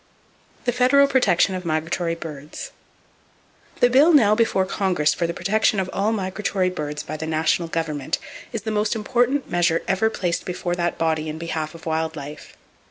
The Federal Protection Of Migratory Birds .—The bill now before Congress for the protection of all migratory birds by the national government is the most important measure ever placed before that body in behalf of wild life.